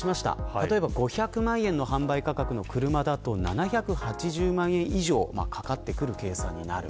例えば５００万円の販売価格の車だと７８０万円以上かかってくる計算になる。